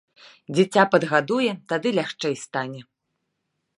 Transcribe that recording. Дзіця падгадуе, тады лягчэй стане.